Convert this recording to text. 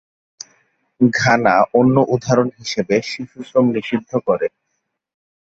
Ghana, অন্য উদাহরণ হিসাবে, শিশুশ্রম নিষিদ্ধ করে।